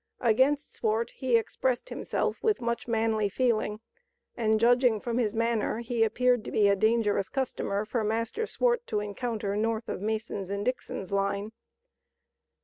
Against Swart he expressed himself with much manly feeling, and judging from his manner he appeared to be a dangerous customer for master Swart to encounter north of Mason and Dixon's line.